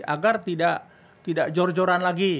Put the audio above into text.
agar tidak jor joran lagi